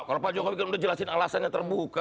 kalau pak jokowi kan sudah jelasin alasannya terbuka